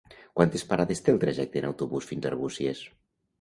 Quantes parades té el trajecte en autobús fins a Arbúcies?